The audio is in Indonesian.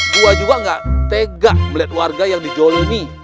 gua juga nggak tega melihat warga yang dijolomi